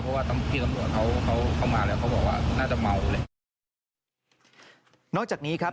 เพราะว่าต้องพี่ตำรวจเขาเขาเข้ามาแล้วเขาบอกว่าน่าจะเมาแหละนอกจากนี้ครับ